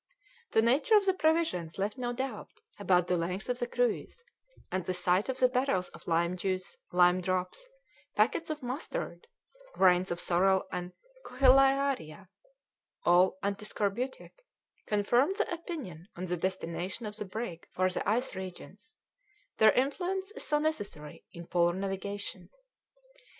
The nature of the provisions left no doubt about the length of the cruise, and the sight of the barrels of lime juice, lime drops, packets of mustard, grains of sorrel and cochlearia, all antiscorbutic, confirmed the opinion on the destination of the brig for the ice regions; their influence is so necessary in Polar navigation.